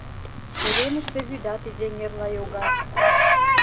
Уремыште вӱдат изэҥерла йога.